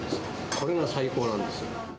これが最高なんです。